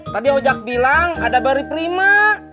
tadi ojak bilang ada barry prima